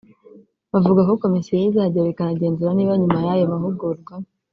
bavuga ko Komisiyo izageraho ikanagenzura niba nyuma y’ayo mahugurwa